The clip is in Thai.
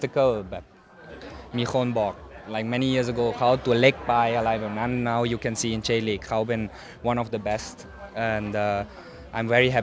เขาเป็นคนที่ทำนานเยอะเป็นคนที่มีหลายปัญหา